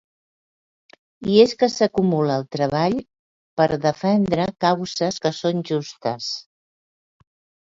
I és que s'acumula el treball per defendre causes que són justes.